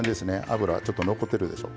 脂ちょっと残ってるでしょ。